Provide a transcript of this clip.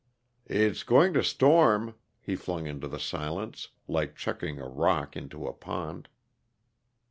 "It's going to storm," he flung into the silence, like chucking a rock into a pond.